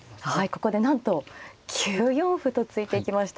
ここでなんと９四歩と突いていきました。